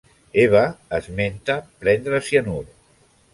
Eva esmenta prendre cianur.